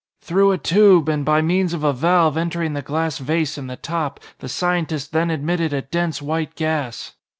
Through a tube, and by means of a valve entering the glass vase in the top, the scientist then admitted a dense white gas.